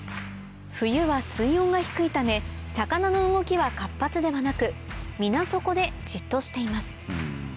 冬は水温が低いため魚の動きは活発ではなく水底でじっとしています